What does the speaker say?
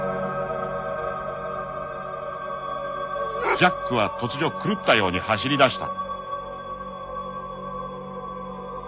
［ジャックは突如狂ったように走りだした］